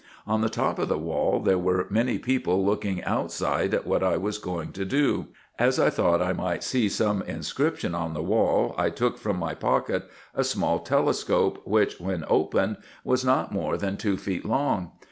On the top of the wall there were many people looking outside at what I was going to do. As I thought I might see some inscription on the wall, I took from IN EGYPT, NUBIA, &c. 419 my pocket a small telescope, which, when opened, was not more than two feet long.